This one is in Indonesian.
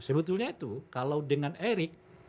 sebetulnya itu kalau dengan erik